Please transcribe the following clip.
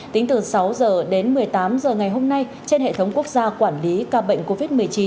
tính từ sáu h đến một mươi tám h ngày hôm nay trên hệ thống quốc gia quản lý ca bệnh covid một mươi chín